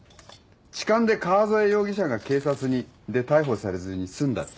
痴漢で川添容疑者が警察に。で逮捕されずに済んだって。